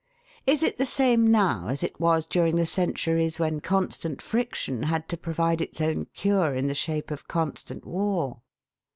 Is it the same now as it was during the centuries when constant friction had to provide its own cure in the shape of constant war?